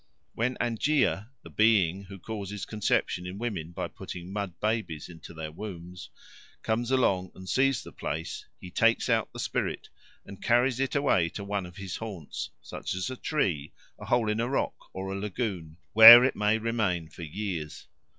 When Anjea, the being who causes conception in women by putting mud babies into their wombs, comes along and sees the place, he takes out the spirit and carries it away to one of his haunts, such as a tree, a hole in a rock, or a lagoon where it may remain for years.